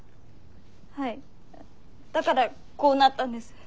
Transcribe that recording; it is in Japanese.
はいだからこうなったんです。